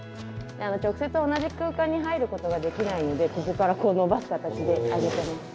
直接同じ空間に入ることができないのでここからこう伸ばす形であげてます。